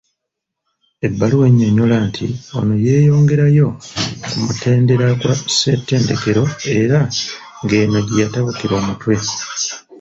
Ebbaluwa ennyonnyola nti ono yeeyongerayo ku mutendera gwa Ssettendekero era ng'eno gye yatabukira omutwe.